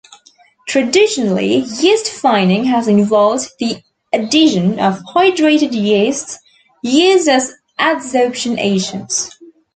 Traditionally, yeast fining has involved the addition of hydrated yeasts used as adsorption agents.